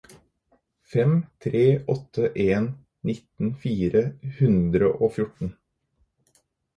fem tre åtte en nitten fire hundre og fjorten